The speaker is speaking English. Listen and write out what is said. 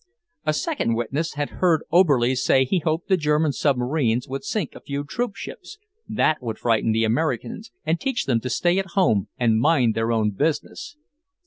A second witness had heard Oberlies say he hoped the German submarines would sink a few troopships; that would frighten the Americans and teach them to stay at home and mind their own business.